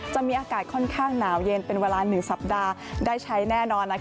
จะมีอากาศค่อนข้างหนาวเย็นเป็นเวลา๑สัปดาห์ได้ใช้แน่นอน